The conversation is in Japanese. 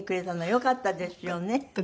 よかったですね。